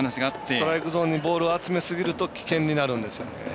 ストライクゾーンにボールを集めすぎると危険になるんですよね。